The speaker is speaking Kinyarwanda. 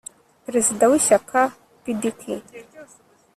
perezida w ishyaka pdc